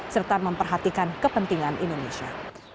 serta memperhatikan kepentingan indonesia